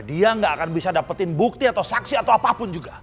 dia nggak akan bisa dapetin bukti atau saksi atau apapun juga